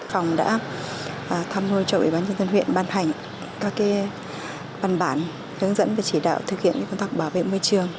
phòng đã thăm hồi cho ủy ban nhân dân huyện ban hành các bàn bản hướng dẫn và chỉ đạo thực hiện công tác bảo vệ môi trường